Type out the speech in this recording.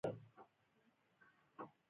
د توت ونې په هر کلي کې شته.